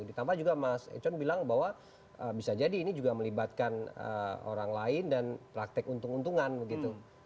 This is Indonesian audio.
ditambah juga mas econ bilang bahwa bisa jadi ini juga melibatkan orang lain dan praktek untung untungan begitu